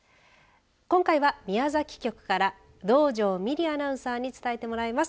今回は宮崎局から道上美璃アナウンサーに伝えてもらいます。